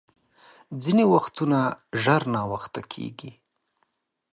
ځیني وختونه ژر ناوخته کېږي .